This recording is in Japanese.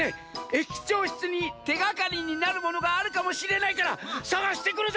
駅長しつにてがかりになるものがあるかもしれないからさがしてくるざんす！